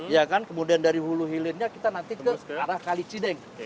ya kan kemudian dari hulu hilirnya kita nanti ke arah kalicideng